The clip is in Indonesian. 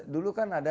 dulu kan ada